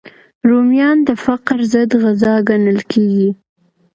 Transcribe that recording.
رومیان د فقر ضد غذا ګڼل کېږي